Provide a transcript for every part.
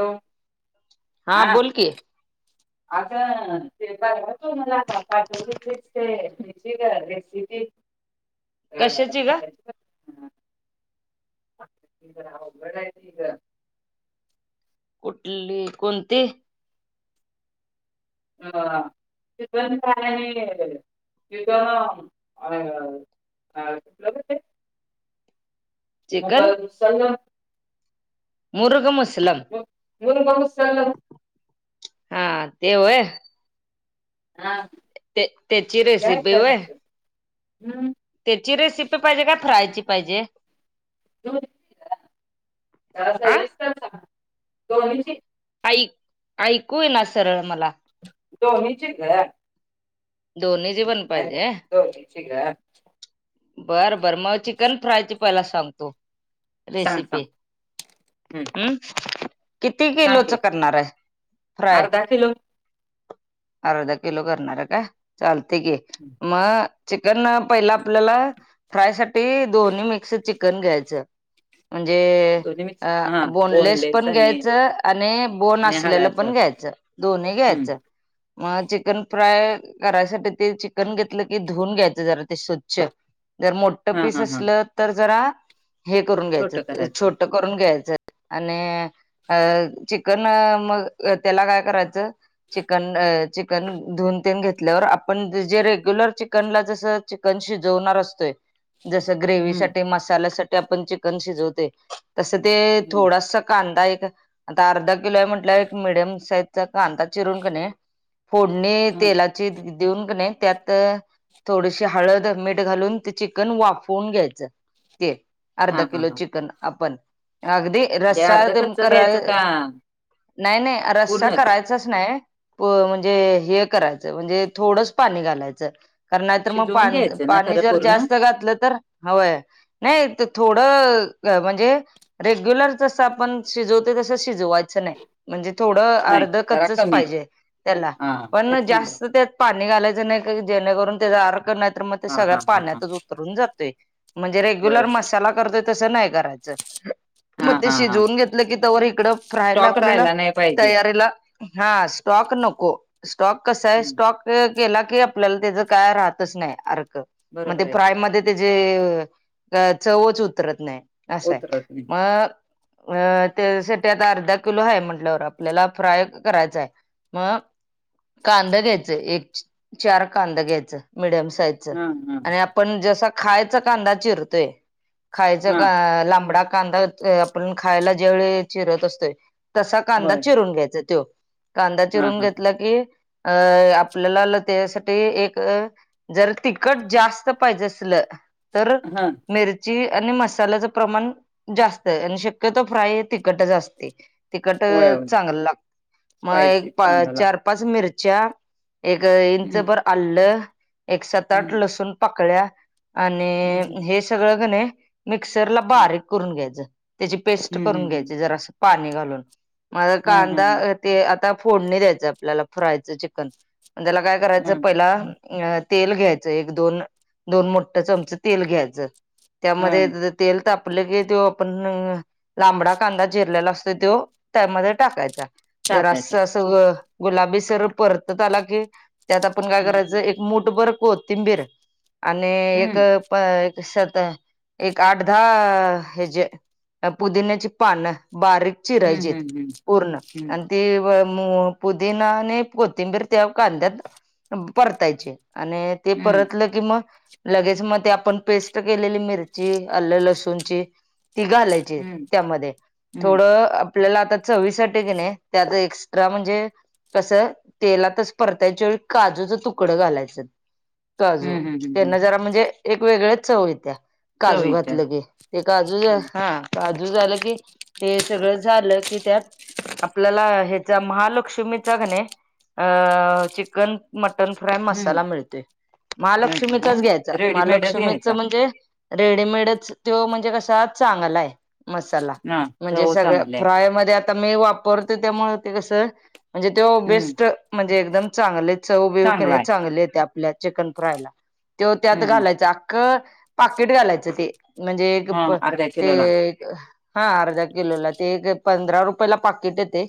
Hello! हा बोल की आता ते बरब तो मला आता पाठव तेची रेसिपी. ह कशाची ग [inaudible] जरा अवघड आहे ती ग. कुठली कोणती? अ कार यग अ [unintelligible] अलं चिकन मुघल सण मुरग मुअसलम मुलग मुसलम हा ते होय. हा ते त्याची काय रेसिपी होय कच हम्म. त्याची रेसिपी पाहिजे काय फ्रायची पाहिजे. [unintelligible] जरा आ सविस्तर सांग दोन्हीची. ऐक ऐकू येईना सरळ मला. दोन्हींची ग! दोन्हीची पण दोघींची ग! बर बर मग चिकन फ्रायची पहिला सांगतो. सांग रेसिपी सांग हम्म हम्. किती सांग किलोच की करणार आहे फ्राय? अर्धा किलो अर्धा किलो करणार आहे का चालते की. हम्म. मग चिकन पहिलं आपल्याला. फ्राय साठी दोन्ही मिक्स चिकन घ्यायचं म्हणजे दोन्ही अ मिक्स हा बोनलेस पण आणि घ्यायचं आणि बोन आणि असलेलं हाडाचं पण घ्यायचं दोन्ही हम्म घ्यायच मग चिकन फ्राय. करायसाठी ते चिकन घेतलं की धुऊून घ्यायच जरा ते स्वच्छ जर मोठ हा पीस हा हा असलं तर जरा हे करून छोट घ्यायचं करायचं छोट करून घ्यायचं आणि चिकन मग त्याला काय करायचं चिकन अ चिकन धुऊन तेन घेत- ल्या आपण जे रेग्युलर चिकनला जस चिकन शिजवणार असतोय जस ग्रेवी हम्म साठी, मसाल्या साठी आपण चिकन शिजवते तस ते हम्म थोडस कांदा एक आता अर्धा किलो आहे म्हटलं एक मीडियम साईजचा कांदा चिरून कनी फोडणी हा तेलाची देऊन कनी त्यात थोडीशी हळद, मीठ घालून ते चिकन वाफवून घ्यायचं ते. अर्ध हा हा किलो हा चिकन आपण अगदी जे रस्सा अर्ध ते कच्च करा घ्यायचं का नाही नाही रस्सा पूर्णच कराय च्च नाही म्हणजे हे करायचं म्हणजे थोडंच पाणी घालायचं. कारण नाहीतर मग पा शिजवून घ्यायचं ना पाणी खरं जर पूर्ण जास्त घातलं तर होय नाही थोडं म्हणजे रेग्युलर जसं आपण शिजवते तसं शिजवायचं नाही. म्हणजे थोडं नाही अर्ध जरा कच्च कमी पाहिजे त्याला हा पण तेच म्हणलं जास्त त्यात पाणी घालायचं नाही जेणेकरून त्याच अरक तर मग ते हा सगळ्या हा हा हा पाण्यातच उतरून जातोय. म्हणजे रेग्युलर बरोबर मसाला करतोय तसं नाही करायचं. हा मग ते हा हा शिजवून घेतलं की तवर इकडं फ्रायला स्टॉक आपल्याला राहायला नाही पाहिजे तयारीला. हा स्टॉक नको, स्टॉक कसा आहे हं. स्टॉक केला की आपल्या तेज काय राहतच नाही आरक मग ते बरोबर आहे की फ्राय त्याजी चवच उतरत नाही असंय उतरत नाही मग अ त्यासाठी आता अर्धा किलो ह म्हंटल्यावर आपल्याला फ्राय करायचाय. मग कांदा घ्यायच चे चार कांदा घ्यायच मिडयम साईज हा हा आणि आपण जसा खायचा कांदा चिरतोय, खायचा हा लांबडा कांदा. आपण खायला ज्या वेळी चिरत असतोय तसा कांदा होय चिरून घ्यायचा तो. कांदा हा चिरून हा घेतला की अ आपल्याला त्यासाठी एक जर तीखट जास्त पाहिजे असल तर हा मीर ची आणि मसाल्याच प्रमाण जास्त आहे आणि शक्यतो फ्राय तिकटच असतय. तिखट होय होय चांगलं लागत मग स्पायसी एक चांगला लागतो चार-पाच मिरच्या एक इंच हम्म भर आल्लं, एक सात-आठ हम्म लसूण पाकळ्या. आणि हम्म हे सगळं कणी मिक्सरला हम्म बारीक करून घ्यायचं त्याची पेस्ट हम्म करून हम्म घ्यायची जरास पाणी घालून मग हा हा कांदा ते आता फोडणी द्यायचं आपल्याला फ्रायचं चिकन, त्याला काय हा करायचं पहिला अ तेल घ्यायचं एक-दोन, दोन मोठ चमच तेल घ्यायचं. हा त्यामध्ये तेल ताप ल की जो आपण लांबडा कांदा चीरलेला असतो तो त्यामध्ये टाकायचा. जरास टाकायचा असं गुलाबी सरळ परतत आला की त्यात आपण काय करायचं एक हम्म मूठ भर कोथिंबीर आणि एक हम्म प तसत एक आठ दहा हेजे. पुदिन्याची पानं बारीक हम्म चिरायचीत हम्म पूर्ण हम्म ते व मु पुदीना आणि कोथिंबीर त्या कांद्यात परतायचे आणि ते हम्म परतलं कि मग लगेच मग ते आपण पेस्ट केलेली मिरची अल लसूणची ती घालायची. ची त्या मध्ये हम्म थोड आप - पल्याला आता चवी साठी कणी त्यात एक्स्ट्रा म्हणजे कस तेलात तस परतयच्या वेळी काजूच तुकडं घालायचं काजू हम्म हम्म हम्म त्यान जरा म्हणजे एक वेगळच चव येत्या काजू चवीच्या घातलं की ते काजू ज ह. भाजून झालं की ते सगळं झालं की त्यात आपल्याला ह्याच्या महालक्ष्मीचा कणी अ चिकन मटन फ्राय हम्म मसाला मिळतोय मिळतो महालक्ष्मी ना चाच घ्यायचा रेडीमेडच महालक्ष्मीच घ्यायचा म्हणजे रेडीमेडच त्यो म्हणजे कसा चांगलाय. मसाला हा म्हणजे चव सगळ्या चांगली आहे फ्राय मध्ये आ आता मी वापरतो त्यामुळे ते कस म्हणजे त्यो हम्म बेस्ट म्हणजे एकदम चांगले चव बीव चांगला कणी आहे चांगल येत्या आपल्या चिकन फ्रायला त्यो त्यात हम्म हम्म घालायचा अख्खं पाकिट घालायचं ते म्हणजे एक हा प अर्ध्या ते किलोला हा अर्धा किलोला ते एक पंधरा रुपयाला पाकिट येतेय.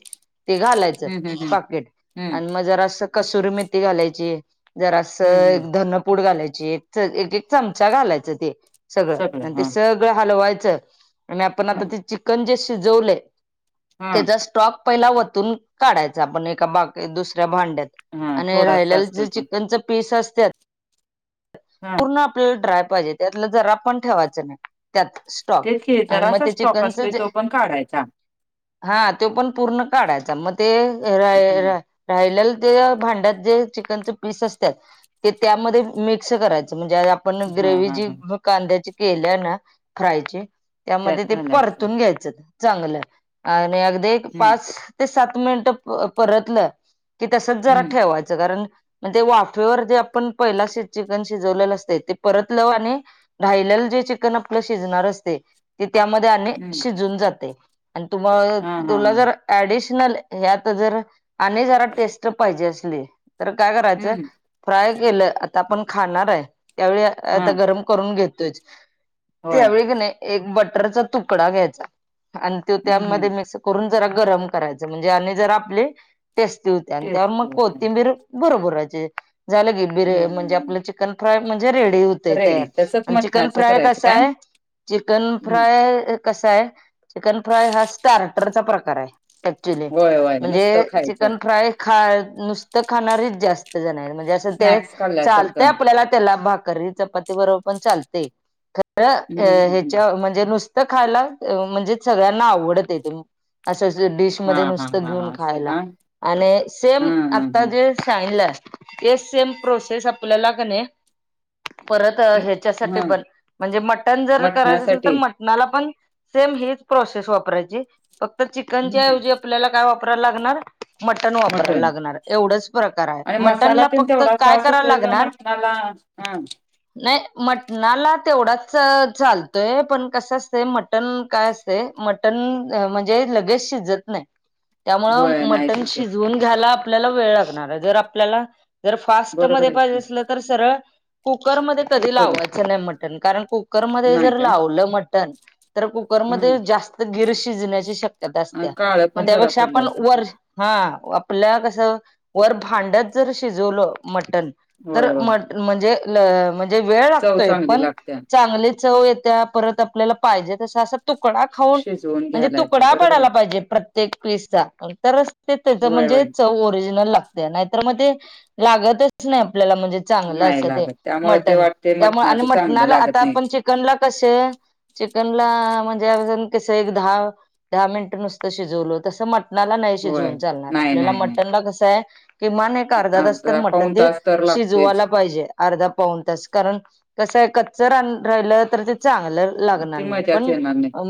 ते घालायचं हम्म हम्म हम्म पाकीट. हम्म आणि मग जरा असं कसुरी मेथी घालायची जरा हम्म हम्म असं धन - पूड घालायची एकच एक एक चमचा घालायचं ते सगळं ते सग गळ हलवायचं आणि आपण आता हम्म ते चिकन शिजवलय हा तेजाच स्टॉक पहिला वतून काढायचा आपण एका बाग दुसऱ्या भांड्यात. हा आणि थोडासा राहिलेला जे असतोय तो चिकनच पीस अस हा पूर्ण आपल्याला ड्राय पाहिजे त्यातलं जरा पण ठेवायचं नाही. त्यात स्टॉक तेच की आणि मग जरासा ते स्टॉक चिकनच असतोय जे तो पण काढायचा हा त्यो पण पूर्ण काढायचा मग ते राही हम्म राही राहिले ते भांड्यात जे चिकनचे पीस असतात ते त्यामध्ये मी मिक्स करायचं म्हणजे आपण हा ग्रेव्ही हा जी हा कांद्याची केल्या ना फ्रायची त्यामध्ये त्यात ते घालायचा परतून घ्यायचं चांगलं आणि अगदी एक हम्म पाच ते सात मिनिट परतलं की तसच जरा हम्म ठेवायचं कारण म ते वाफेवर जे आपण पहिला शि चिकन शिजवलेलं असतय ते परत लव आणि राहिलेलं जे चिकन आपलं शिजणार असतय ते त्यामध्ये आणि हम्म शिजून जातेय आणि तुम अ हा हा तुला हा जर ऍडिशनल ह्यात जर आणि जरा टेस्ट पाहिजे असली तर काय करायचं हम्म फ्राय केलं आता आपण खाणार आहे त्यावेळी हा आता गरम करून घेतोय होय त्यावेळी की नाही एक बटरचा तुकडा घ्यायचा. आणि त्यो हम्म हम्म त्यामध्ये मिक्स करून जरा गरम करायच म्हणजे आणि जर आपली - टेस्टी हो त्या आणि त्यावर टेस्ट मग होते कोथिंबीर भुरभुरायची झालं की बिर हम्म म्ह - - हम्म, म्हंजे हम्म. आपलं चिकन फ्राय म्हणजे रेडी होतय तयार रेडी तसच आणि चिकन मटणाचं फ्राय करायचं काय कसाय चिकन हम्म फ्राय कसाय चिकन फ्राय हा स्टार्टरचा प्रकार आय. ऍक्च्युली होय होय नुसतं म्हणजे खायचं चिकन फ्राय खा नुसतं खाणारीच जास्त जण म्हणजे असं ते स्नॅक्स चालतय खाल्ल्यासारखं आपल्याला त्याला भाकरी, चपाती बरोबर पण चालतय, खर हम्म हम्म, हम्म. ह्याच्या म्हणजे नुस तर खायला म्हणजे सगळ्यांना आवडत ते, ते. असं डिश हा मध्ये हा नुसतं घेऊन हा असं खायला का आणि हा सेम हा आता हा जे चांगलं, ते सेम प्रोसेस आपल्या कणी परत म- ह्याच्यासाठी हा पण म्हणजे मटण जर करायचं असेल तर मटणासाठी मट मला पण सेम हीच प्रोसेस वापरायची फक्त चिकनच्या हम्म ऐवजी आपल्याला काय वाप लागणार, मटन वापरा मटण लागणार एवढच प्रकार हाय मटनला फक्त काय करायला तेला लागणार मटणाला, हम्म नाही, मटणाला तेवढाच चालतोय पण कसं असतंय मट मटन काय असतय, मटन म्हणजे लगेच शिजत नाही. [unintelligible] त्यामुंळ नाही मटण शिजत शिजूऊन घायला, आपल्याला वेळ लागणार हाय, जर आपल्याला फास्ट बरोबर मध्ये आहे पाहजे की असलं तर सरळ कुकरमध्ये कधी कुकर लावायचं नाही मटन कारण कुकरमध्ये नाही जर काय लावलं मटण तर कु कुकर मध्ये हम्म जास्त गिर शिजण्याची शक्यता आणि असतीया, काळं म पण जरा त्यापेक्षा आपण पडल्यासारखं वर हा आपल्या कस वर भांड्यात जर शिजवलं मटण तर होय होय म म्हणजे म्हणजे वेळ चव लागतोय चांगली पण लागत्या. चांगली चव येत्या परत आपल्याला पाहिजे तसं असं तुकडा खाऊन शिजवून म्हणजे घ्यायला येतय तुकडा बरोबर पडायला आहे की. पाहिजे प्रत्येक पीसचा तरंच ते त्याच होय म्हणजे होय. चव ओरिजिनल लागत्या नाहीतर मग ते लागतच नाही आपल्याला म्हणजे चांगलं अस नाही ते लागत त्यामुळे ते मटन वाटते त्यामुळे आणि मटणाच चांगलं मटणाला आता लागत नाही. आपण चिकनला कशे चिकन ला म्हणजे कस एक दहा दहा मिनटं नुसतं शिजवलं तस मट मटणाला नाही होय. शिजवून चालणार नाही आपल्याला नाही नाही मटन ला कस आहे किमान एक अर्धा तास तर मट टन पाऊन ते तास तर शिजवायला लागतोयच. पाहिजे अर्धा पाऊन तास कारण कसं आहे कच्च रा राहिलं तर ते चांगलं मग लागणार ती नाही मजाच पण येणार नाही. अ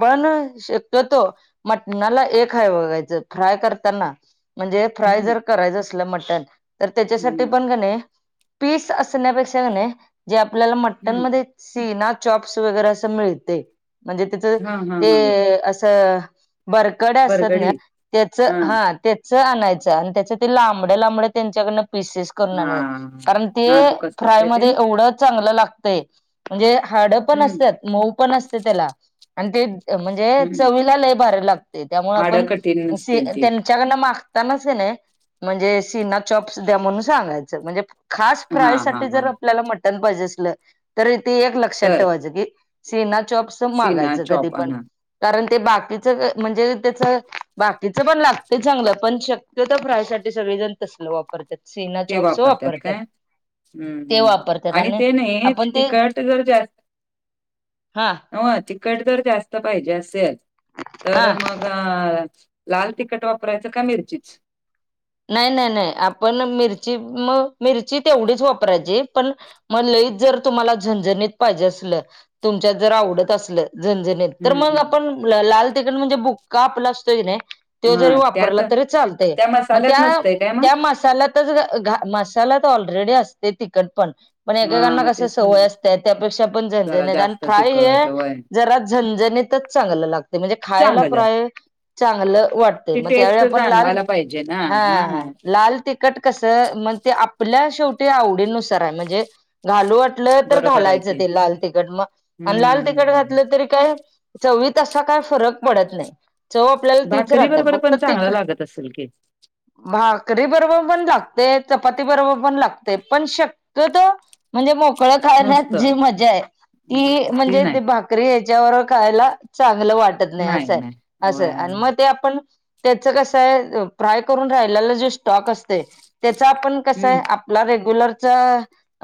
पण शक्यतो मटणाला एक हाय बघायचं फ्राय करताना म्हणजे फ्राय हम्म जर करायचं असल मटण तर त्याच्यासाठी हम्म पण कनी पीस असण्यापेक्षा कणी जे आपल्याला हम्म मटनमध्ये सीना चॉप्स वगैरे असं मिळतय म्हणजे त्याचं हा हा हा ते असं बर कड्या असतात ना बरगडी त्याच हा त्याच आणायचं आणि त्याचं ते लांबड लांबड त्यांच्याकडन पिसेस करून हा आणायच कारण ते नाजूक असतात फ्राय काय ते? मध्ये एवढं चांगलं लागत तय म्हणजे हाड पण हम्म असत्यात मऊ पण असते त्याला आणि ते म्हणजे हम्म चवीला लय भारी लागतय त्यामुळ आपण हाडं कठीण नसतील ती त्यांच्याकडन मागतानाच कणी म्हणजे सीना चॉप्स द्या म्हणून सांगायचं म्हणजे खास हा फ्राय हा साठी हा जर आपल्याला मटण पाहिजे असलं तर तेे एक लक्षात तर ठेवायचं की सीना चोप्स सीना मागायचं कधी चॉप पण आणा कारण ते बाकीच म्हणजे त्याच बाकीच पण लागते चांगलं पण शक क्यतो फ्रायसाठी सगळी जण तसंल वापरत्यात सीना ते चॉप्स वापरतात वापरत्यात काय? हम्म हम् आणि ते नाही आपण ते तिखट जर जास्त हा न्हवं तिखट तर जास्त पाहिजे असेल हा तर मग अ लाल तिखट वापरायचं का मिरचीच नाही नाही नाही आपण मिरची म मिरची तेवढीच वापरायची पण मग लईच जर तुम्हाला झंझणीत पाहिजे असल तुमच्यात जर आवडत असल झणझणीत तर हम्म मग हम्म. आपण लाल तिकड म्हणजे बुक्का आपला असतोय नाही तो जरी हा त्यात वापरला तरी चालतय त्या मग मसाल्यात त्या नसतंय काय मग त्या मसाल्यात आ घ मसाला तर ऑलरेडी असते तखट पण पण हा एकेकांना मग कस तेच सवय म्हणलं असतय त्यापेक्षा पण झणजण जरा नाही आणि जास्त फ्राय हे तिखट वय जरा झंझणी यतच चांगलं लागते म्हणजे खायला चांगलं परया चांगलं वाट ती टेस्ट जाणवायला पाहिजे ना हा. लाल तखट कस मग ते आपल्या शेवटी आवडीनुसार आहे म्हणजे घालू वाट बरोबर आहे घालायच की ते लाल तिखट हम्म लाल तिखट हम्म. घातले तरी काय चवीत असा काय फरक पडत नाही चव आपल्याला तीच राहते फक्त ती तिखट असेल की? भाकरी बरोबर पण लागते चपाती बरोबर पण लागते पण शक्यत म्हणजे मोकळ खण्यात नुसतं जी मजा आहे ती म्हणजे करी हच्यावर खायला चांगलं वाटत नाही असंय असं आणि मग ते आपण त्याच कसय फ्राय करून राहिला जो स्टॉक असते त्याचा आपण कसय हम्म आपला रेग्युलरचा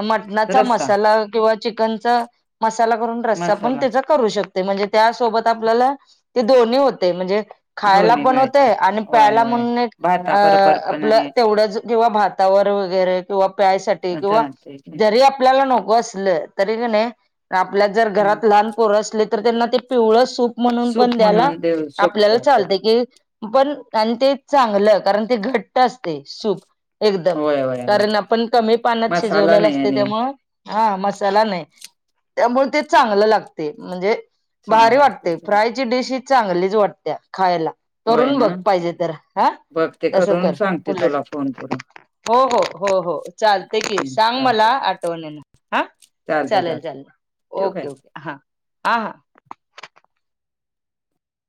मटणाचा रस्सा मसाला किंवा चिकनचा मसाला करून रस्ता पण मसाला त्या करू शकते म्हणजे त्या सोबत आपल्याला ते दोन्ही होते म्हणजे खायला दोन्ही पण मिळते होतय आणि वय प्यायला वय मग भाता अ बरोबर पण आपलं आणि तेवढंच किंवा भातावर वगैरे किंवा प्यायसाठी किंवा चालते जरी आपल्याला नको आपल्या जर हम् घरात लहान पोर अस तर त्यांना ते पिवळ म्हणून पण सूप द्याला म्हणून देऊ शकतो आपल्याला आपण चालते की पण आणि ते चांगलं कारण ते घट्ट असते सूप. एकदम होय होय होय कारण आपण कमी पानात मसाला शिजवलेलं नाही असते आणि त्यामुळ हा मसाला नाही त्यामुळे ते चांगलं लागते म्हणजे भारी चालते वाटते चालते फ्रायची डिश ही चांगलीच वाटते खायला करून बघ पाहिजे तर हा बघते तसं करून कर सांगते उलट तुला फोन करून. हो हो हो हो. चाल ते की हम्म, सांग मला चालते चालते आठवणीन हा चालते चालेल, चालते चालेल. ठेवू काय ओके, ओके हा हा हा.